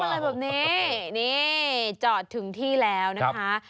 อะไรแบบนี้นี่จอดถึงที่แล้วนะคะ